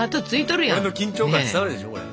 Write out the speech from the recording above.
俺の緊張感伝わるでしょこれ。